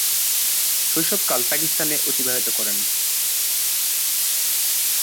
শৈশবকাল পাকিস্তানে অতিবাহিত করেন।